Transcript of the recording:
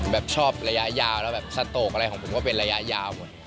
แบบชอบระยะยาวแล้วแบบสโตกอะไรของผมก็เป็นระยะยาวหมด